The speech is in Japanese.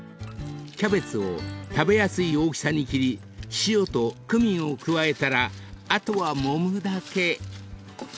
［キャベツを食べやすい大きさに切り塩とクミンを加えたらあとはもむだけ］